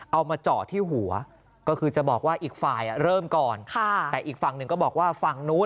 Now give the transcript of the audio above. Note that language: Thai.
เอามาเจาะที่หัวก็คือจะบอกว่าอีกฝ่ายเริ่มก่อนค่ะแต่อีกฝั่งหนึ่งก็บอกว่าฝั่งนู้น